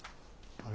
あれ。